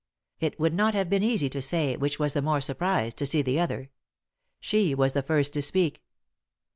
It would not have been easy to say which was the more surprised to see the other. She was the first to speak.